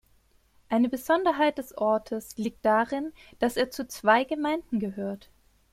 Eine Besonderheit des Ortes liegt darin, dass er zu zwei Gemeinden gehört.